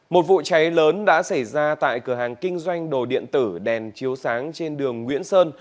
một vụ cháy lớn đã xảy ra tại cửa hàng kinh doanh đồ điện tử đèn chiếu sáng trên đường nguyễn sơn